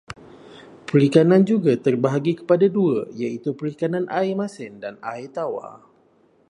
Perikanan juga terbahagi kepada dua, iaitu perikanan air masin dan air tawar.